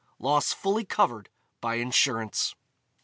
Loss fully covered by insurance."